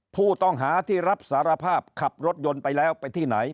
ผู้ต้องหาที่รับสารภาพขับรถยนต์ไปแล้วไปที่ไหน